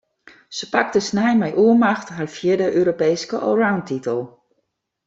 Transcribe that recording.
Se pakte snein mei oermacht har fjirde Europeeske allroundtitel.